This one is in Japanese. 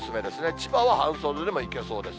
千葉は半袖でもいけそうです。